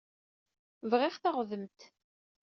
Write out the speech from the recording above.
Bɣiɣ taɣdemt.